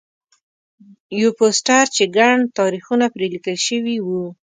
یو پوسټر چې ګڼ تاریخونه پرې لیکل شوي وو.